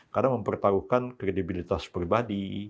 karena mempertaruhkan kredibilitas pribadi